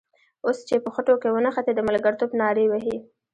اوس چې په خټو کې ونښتې د ملګرتوب نارې وهې.